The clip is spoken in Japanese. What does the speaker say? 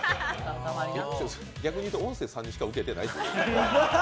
逆に言うと音声さんにしかウケてない。